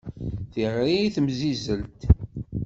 Tiɣri i temsizzelt.